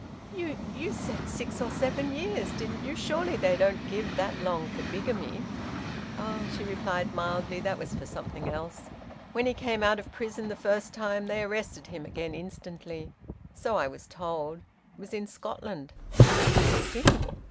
"You you said six or seven years, didn't you? Surely they don't give that long for bigamy?" "Oh!" she replied mildly. "That was for something else. When he came out of prison the first time they arrested him again instantly so I was told. It was in Scotland." "I see."